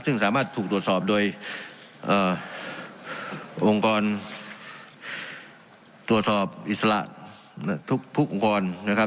ซึ่งสามารถถูกตรวจสอบโดยองค์กรตรวจสอบอิสระทุกองค์กรนะครับ